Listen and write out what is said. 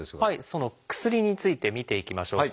その薬について見ていきましょう。